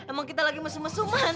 emang kita lagi mesum mesuman